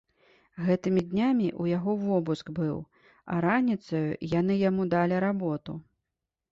Гэтымі днямі ў яго вобыск быў, а раніцаю яны яму далі работу.